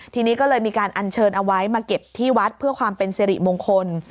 ทีนี้ก็เลยมีการอัญเชิญเอาไว้มาเก็บที่วัดเพื่อความเป็นสิริมงคล